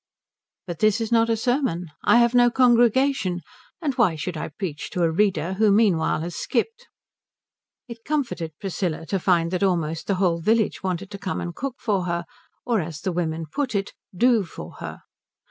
But this is not a sermon. I have no congregation. And why should I preach to a reader who meanwhile has skipped? It comforted Priscilla to find that almost the whole village wanted to come and cook for her, or as the women put it "do" for her.